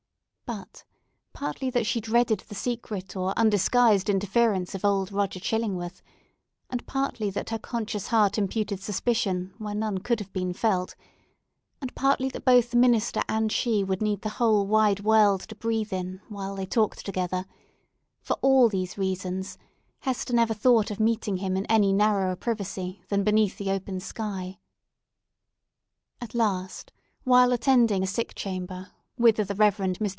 But, partly that she dreaded the secret or undisguised interference of old Roger Chillingworth, and partly that her conscious heart imparted suspicion where none could have been felt, and partly that both the minister and she would need the whole wide world to breathe in, while they talked together—for all these reasons Hester never thought of meeting him in any narrower privacy than beneath the open sky. At last, while attending a sick chamber, whither the Rev. Mr.